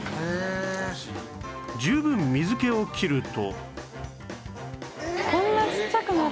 十分水気を切ると